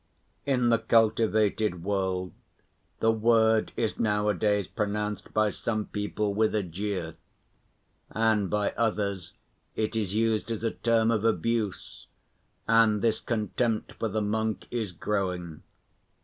In the cultivated world the word is nowadays pronounced by some people with a jeer, and by others it is used as a term of abuse, and this contempt for the monk is growing.